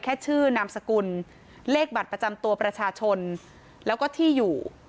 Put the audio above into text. แค่ชื่อนามสกุลเลขบัตรประจำตัวประชาชนแล้วก็ที่อยู่